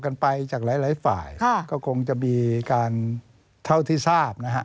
คือเท่าที่ทราบ